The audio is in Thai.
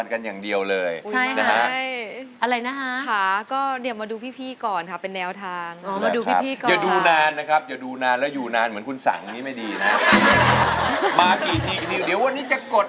แล้วก็นี่คุณปุ่มนะครับผมดูจะเป็นคนที่พูดน้อยที่สุด